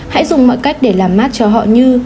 hãy dùng mọi cách để làm mát cho họ như